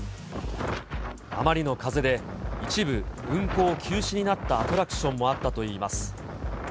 あまりの風で、一部、運行休止になったアトラクションもあったといいます。